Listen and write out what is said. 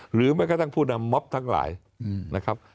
หรือแม้กระทั่งผู้นำมอบทั้งหลายนะครับ